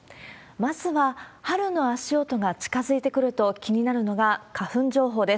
まずは、春の足音が近づいてくると気になるのが、花粉情報です。